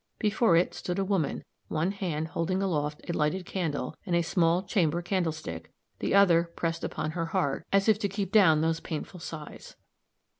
Before it stood a woman, one hand holding aloft a lighted candle, in a small chamber candlestick, the other pressed upon her heart, as if to keep down those painful signs.